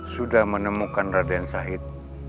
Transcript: sudah menemukan raden syahid